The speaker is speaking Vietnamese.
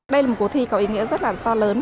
đây là một cuộc thi có ý nghĩa rất là to lớn